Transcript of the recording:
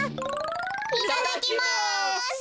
いただきます！